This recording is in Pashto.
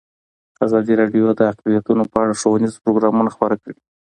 ازادي راډیو د اقلیتونه په اړه ښوونیز پروګرامونه خپاره کړي.